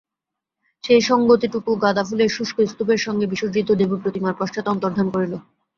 সেই সংগতিটুকু গাঁদাফুলের শুষ্ক স্তূপের সঙ্গে বিসর্জিত দেবীপ্রতিমার পশ্চাতে অন্তর্ধান করিল।